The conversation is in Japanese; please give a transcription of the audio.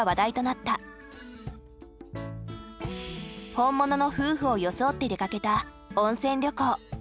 本物の夫婦を装って出かけた温泉旅行。